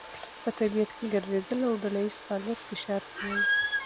په طبیعت کې ګرځېدل او ډلهییز فعالیت فشار کموي.